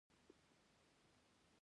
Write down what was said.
چې د مزغو هارډوئېر ته انسټاليږي